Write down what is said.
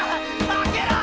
開けろ！